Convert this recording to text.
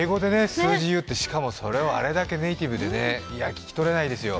数字言うってしかもあれだけネイティブでいや、聞き取れないですよ。